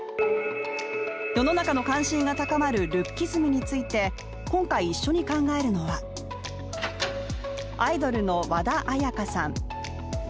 世の中の関心が高まるルッキズムについて今回、一緒に考えるのはアイドルの和田彩花さん。